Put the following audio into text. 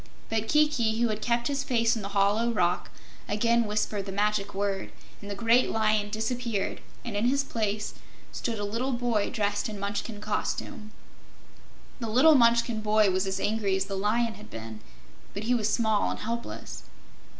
But Kiki, who had kept his face in the hollow rock, again whispered the magic word, and the great lion disappeared and in his place stood a little boy dressed in Munchkin costume. The little Munchkin boy was as angry as the lion had been, but he was small and helpless.